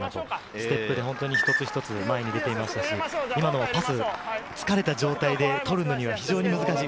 ステップも一つ一つ前に出ていましたし、今のパス、疲れた状況で取るには難しい。